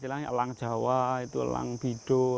itu elang jawa itu elang jawa itu elang bidung